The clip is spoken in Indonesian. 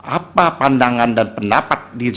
apa pandangan dan pendapat